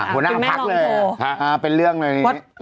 หัวหน้าพักเลยเป็นเรื่องเลยทีนี้